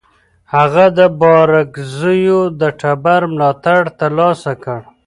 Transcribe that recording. هغه د بارکزیو د ټبر ملاتړ ترلاسه کړ.